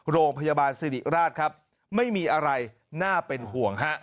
โรงพยาบาลสิริราชครับไม่มีอะไรน่าเป็นห่วงฮะ